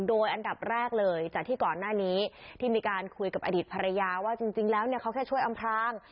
โดยอันดับแรกเลยจากที่ก่อนหน้านี้ที่มีการคุยกับอดีตภรรยาว่าจริงแล้วเนี่ยเขาแค่ช่วยอำพราง